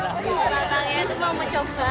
tertanaknya itu mau mencoba